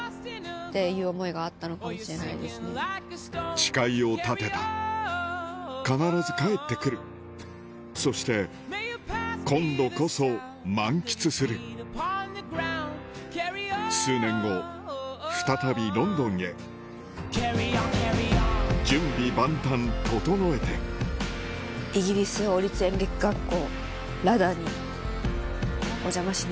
誓いを立てた必ず帰ってくるそして今度こそ満喫する数年後再びロンドンへ準備万端整えてイギリス王立演劇学校。